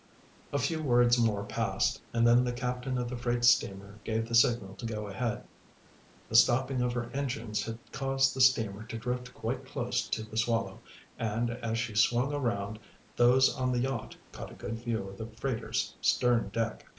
A few words more passed, and then the captain of the freight steamer gave the signal to go ahead. The stopping of her engines had caused the steamer to drift quite close to the Swallow, and as she swung around those on the yacht caught a good view of the freighter's stern deck.